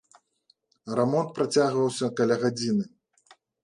Рамонт працягваўся каля гадзіны.